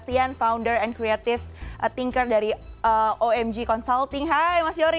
halo selamat malam